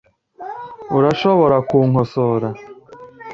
Urashobora kunkosora?